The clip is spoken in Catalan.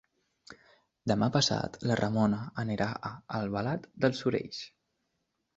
Demà passat na Ramona anirà a Albalat dels Sorells.